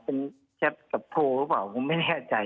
เป็นแชทกับโทรหรือเปล่าผมไม่แน่ใจ